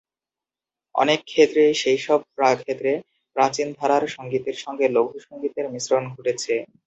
অনেক ক্ষেত্রেই সেই সব ক্ষেত্রে প্রাচীন ধারার সংগীতের সঙ্গে লঘু সংগীতের মিশ্রণ ঘটেছে।